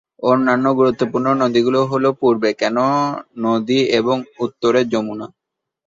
অন্যান্য গুরুত্বপূর্ণ নদীগুলি হল পূর্বে কেন নদী এবং উত্তরে যমুনা।